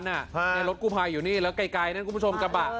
ในรถกู้ภัยอยู่นี่แล้วไกลนั้นคุณผู้ชมกระบะ